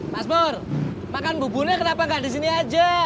mas pur makan buburnya kenapa gak disini aja